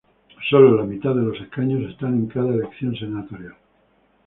Solo la mitad de los escaños están en cada elección senatorial.